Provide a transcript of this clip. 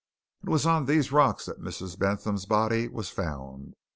It was on these rocks that Mrs. Bentham's body was found.